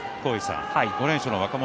５連勝の若元